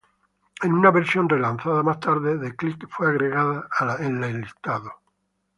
En una versión re-lanzada más tarde, "The Click" fue agregada en el listado.